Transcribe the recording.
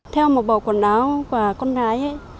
theo một bộ quần áo của con gái ấy